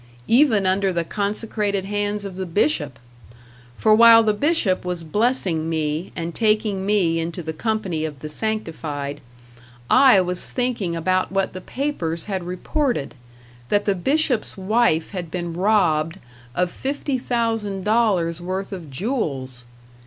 Even under the consecrated hands of the bishop! For while the bishop was blessing me and taking me into the company of the sanctified, I was thinking about what the papers had reported, that the bishop's wife had been robbed of fifty thousand dollars worth of jewels!